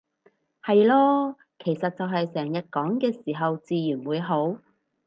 係囉，其實就係成日講嘅時候自然會好